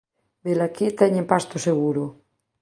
Velaquí teñen pasto seguro.